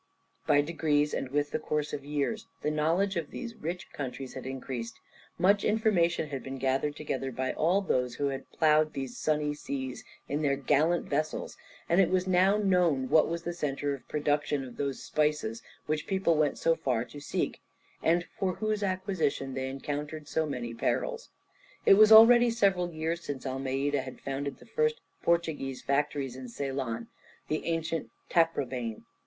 By degrees and with the course of years the knowledge of these rich countries had increased. Much information had been gathered together by all those who had ploughed these sunny seas in their gallant vessels, and it was now known what was the centre of production of those spices which people went so far to seek, and for whose acquisition they encountered so many perils. It was already several years since Almeida had founded the first Portuguese factories in Ceylon, the ancient Taprobane.